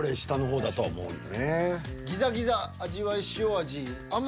ギザギザ味わいしお味。